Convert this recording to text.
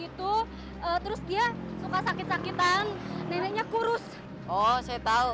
itu bukan nenek ternyata